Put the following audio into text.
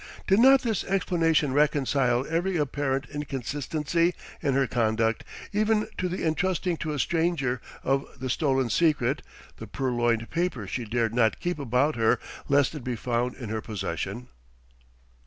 Did not this explanation reconcile every apparent inconsistency in her conduct, even to the entrusting to a stranger of the stolen secret, the purloined paper she dared not keep about her lest it be found in her possession?